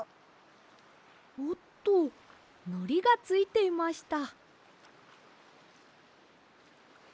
おっとのりがついていました。